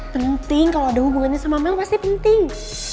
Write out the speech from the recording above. penting kalau ada hubungannya sama mel pasti penting